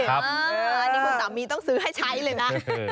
อันนี้คุณสามีต้องซื้อให้ใช้เลยนะ